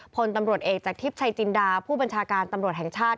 พลตำรวจเอกจากทิพย์ชัยจินดาผู้บัญชาการตำรวจแห่งชาติ